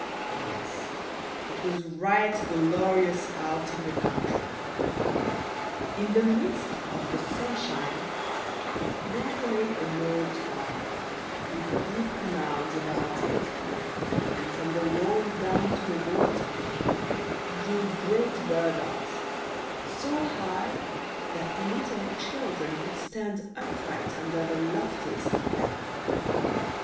Yes, it was right glorious out in the country. In the midst of the sunshine there lay an old farm, with deep canals about it, and from the wall down to the water grew great burdocks, so high that little children could stand upright under the loftiest of them.